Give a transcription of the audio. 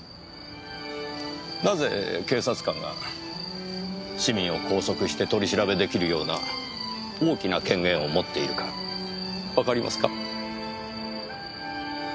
なぜ警察官が市民を拘束して取り調べ出来るような大きな権限を持っているかわかりますか？